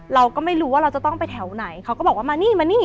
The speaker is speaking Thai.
เราก็ไม่รู้ว่าเราจะต้องไปแถวไหนเขาก็บอกว่ามานี่มานี่